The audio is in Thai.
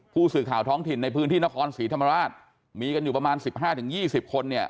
ผู้สื่อข่าวท้องถิ่นในพื้นที่นครศรีธรรมราชมีกันอยู่ประมาณ๑๕๒๐คนเนี่ย